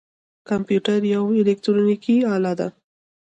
کمپیوټر یوه الکترونیکی آله ده